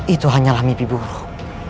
itu hanyalah mimpi buruk